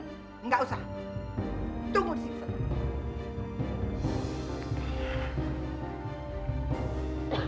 nggak usah tunggu di sini